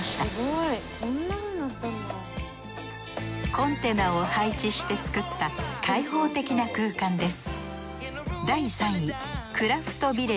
コンテナを配置して作った開放的な空間です